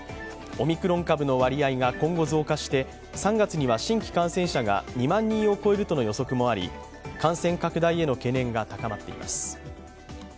オミクロン株の割合が今後増加して３月には新規感染者が２万人を超えるとの予測もあり感染拡大への懸念が高まっています。